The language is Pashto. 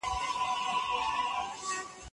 انارګل ته د ځونډي د لور خبر ورکړل شو.